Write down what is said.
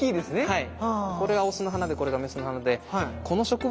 はい。